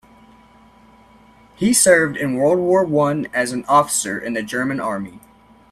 He served in World War One as an officer in the German Army.